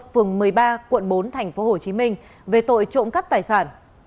phường một mươi ba quận bốn tp hcm về tội trộm cắp tài sản